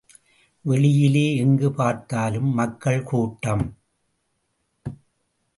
வெளியிலே எங்கு பார்த்தாலும் மக்கள் கூட்டம்.